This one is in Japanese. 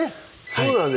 そうなんですか？